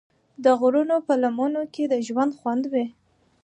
د غرونو په لمنو کې د ژوند خوند وي.